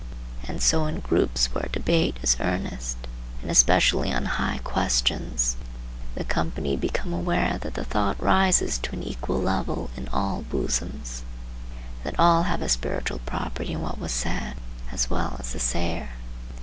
And so in groups where debate is earnest, and especially on high questions, the company become aware that the thought rises to an equal level in all bosoms, that all have a spiritual property in what was said, as well as the sayer.